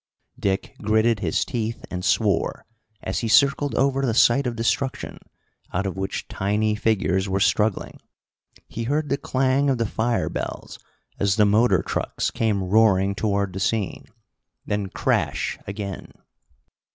Dick gritted his teeth and swore as he circled over the site of destruction, out of which tiny figures were struggling. He heard the clang of the fire bells as the motor trucks came roaring toward the scene. Then crash! again.